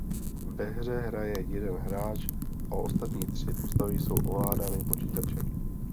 Ve hře hraje jeden hráč a ostatní tři postavy jsou ovládány počítačem.